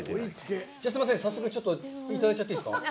すいません早速いただいちゃっていいですか？